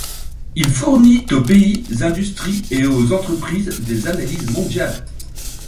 Il fournit aux pays, industries et aux entreprises des analyses mondiales.